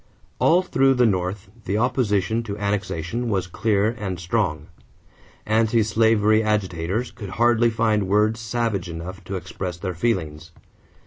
= All through the North the opposition to annexation was clear and strong. Anti slavery agitators could hardly find words savage enough to express their feelings.